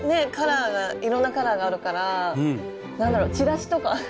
カラーがいろんなカラーがあるから何だろうチラシとか？